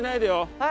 はい。